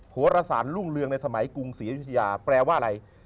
โหรศาลลู่งเรืองในสมัยกรุงศรียุชญาแปลว่าอะไร